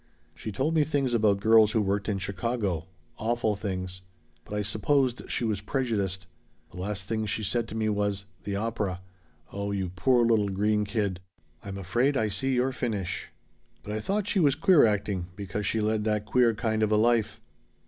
"She told me things about girls who worked in Chicago awful things. But I supposed she was prejudiced. The last things she said to me was 'The opera! Oh you poor little green kid I'm afraid I see your finish.' "But I thought she was queer acting because she led that queer kind of a life."